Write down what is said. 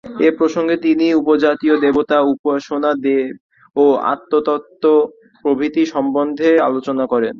এই প্রসঙ্গে তিনি উপজাতীয় দেবতা-উপাসনা, বেদ ও আত্মতত্ত্ব প্রভৃতি সম্বন্ধে আলোচনা করেন।